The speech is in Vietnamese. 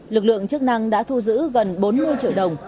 lực lượng chức năng đã thu giữ gần bốn mươi triệu đồng